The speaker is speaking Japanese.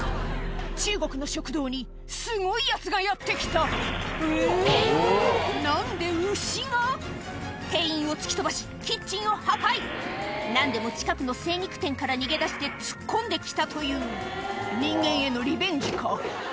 中国の食堂にすごいヤツがやって来た何で牛が⁉店員を突き飛ばしキッチンを破壊何でも近くの精肉店から逃げ出して突っ込んで来たという人間へのリベンジか？